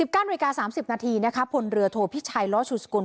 ๑๐การเวลา๓๐นาทีพลเรือโทษพิชไชร้อชูสกุล